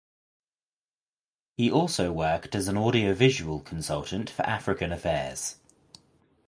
He also worked as an audiovisual consultant for African affairs.